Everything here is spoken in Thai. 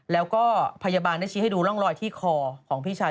แล้วก็พยาบาลได้ชี้ให้ดูร่องรอยที่คอของพี่ชาย